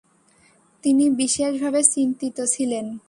তিনি বিশেষ ভাবে চিন্তিত ছিলেন।